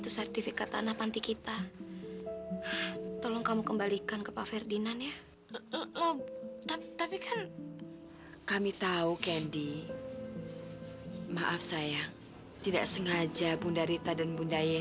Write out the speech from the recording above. sampai jumpa di video selanjutnya